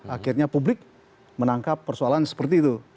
akhirnya publik menangkap persoalan seperti itu